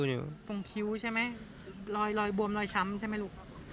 ตรงคิ้วใช่ไหมรอยบวมรอยช้ำใช่ไหมลูก